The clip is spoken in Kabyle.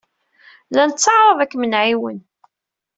La netteɛṛaḍ ad kem-nɛiwen.